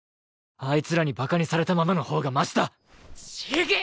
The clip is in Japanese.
あいつらにバカにされたままの方がましだ！